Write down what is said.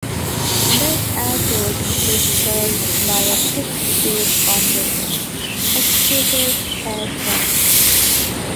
The airport is served by a fixed-base operator, "Executive Air Transport".